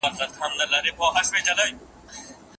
ذوالجلال والاکرام دې قبول او د آخرت لپاره راته حجت کړي.